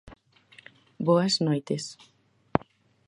Boas noites